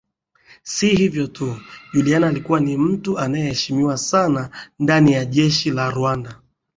Si hivyo tu Juliana alikuwa ni mtu anayeheshimiwa sana ndani ya jeshi la Rwanda